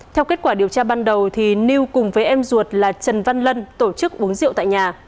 theo kết quả điều tra ban đầu new cùng với em ruột là trần văn lân tổ chức uống rượu tại nhà